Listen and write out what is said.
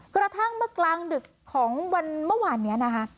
กระทั่งเมื่อกลางดึกของวันเมื่อวานนี้นะคะ